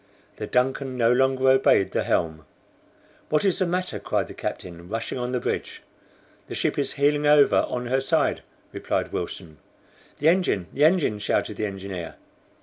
The DUNCAN no longer obeyed the helm. "What is the matter?" cried the captain, rushing on the bridge. "The ship is heeling over on her side," replied Wilson. "The engine! the engine!" shouted the engineer.